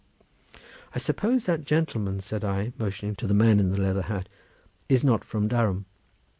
"I suppose that gentleman," said I, motioning to the man in the leather hat, "is not from Durham?"